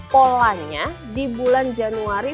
polanya di bulan januari